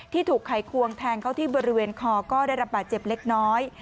ถูกไขควงแทงเข้าที่บริเวณคอก็ได้รับบาดเจ็บเล็กน้อย